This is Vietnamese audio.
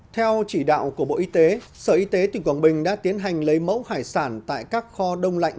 theo chỉ đạo của bộ y tế sở y tế tỉnh quảng bình đã tiến hành lấy mẫu hải sản tại các kho đông lạnh